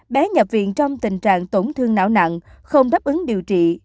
bé nhập viện trong tình trạng tổn thương não nặng không đáp ứng điều trị